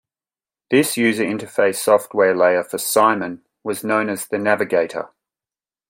This user interface software layer for Simon was known as the Navigator.